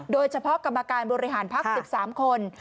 โดยเฉพาะกรรมการบริหารภักดิ์๑๓คน